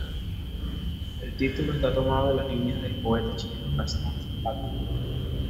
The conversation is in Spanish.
El título está tomado de las líneas del poeta chileno Gastón Salvatore.